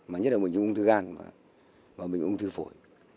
mà nhất là bệnh nhân ung thư gan và bệnh ung thư phổi